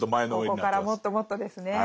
ここからもっともっとですね。